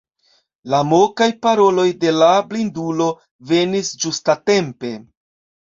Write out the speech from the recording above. La mokaj paroloj de la blindulo venis ĝustatempe.